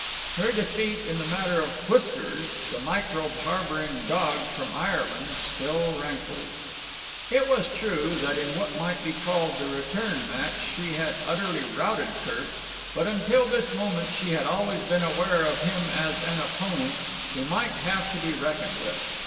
Her defeat in the matter of Whiskers, the microbe harbouring dog from Ireland, still rankled. It was true that in what might be called the return match she had utterly routed Kirk; but until this moment she had always been aware of him as an opponent who might have to be reckoned with.